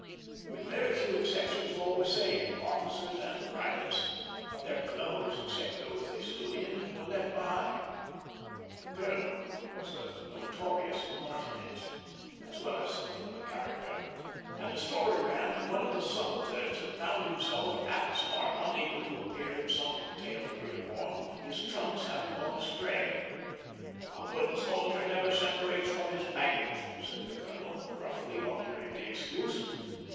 With very few exceptions all were saved, officers and privates; but their clothes, except those they stood in, were left behind. The colonel was a notorious martinet, as well as something of a character; and a story ran that one of the subalterns had found himself at the start unable to appear in some detail of uniform, his trunks having gone astray. "A good soldier never separates from his baggage," said the colonel, gruffly, on hearing the excuse.